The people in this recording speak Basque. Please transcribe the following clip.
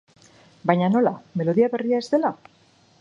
Baina nola, melodia berria ez dela?